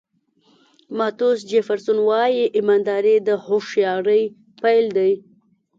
توماس جیفرسون وایي ایمانداري د هوښیارۍ پیل دی.